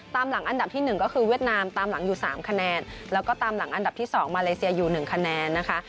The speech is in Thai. ตามหลังอันดับที่๑ก็คือเวียดนามตามหลังอยู่๓คะแนนแล้วก็ตามหลังอันดับที่๒มาเลเซียอยู่๑คะแนนนะคะ